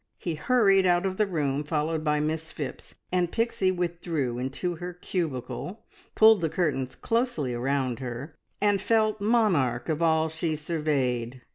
He hurried out of the room, followed by Miss Phipps, and Pixie withdrew into her cubicle, pulled the curtains closely around her, and felt monarch of all she surveyed.